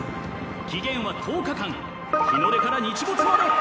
期限は１０日間日の出から日没まで。